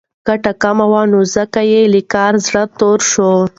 ګټه کمه وه نو ځکه یې له کاره زړه توری شو.